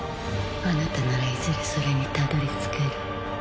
あなたならいずれそれにたどり着ける